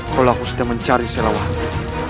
kalau aku sudah mencari serawanya